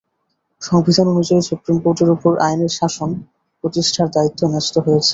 সংবিধান অনুযায়ী সুপ্রিম কোর্টের ওপর আইনের শাসন প্রতিষ্ঠার দায়িত্ব ন্যস্ত হয়েছে।